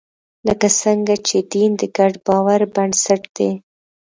لکه څنګه چې دین د ګډ باور بنسټ دی.